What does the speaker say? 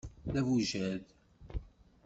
D abujad.